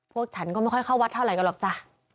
ฉันก็ไม่ค่อยเข้าวัดเท่าไหรกันหรอกจ้ะ